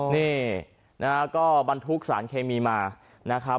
นี่นะฮะก็บรรทุกสารเคมีมานะครับ